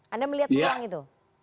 anda melihat peluang itu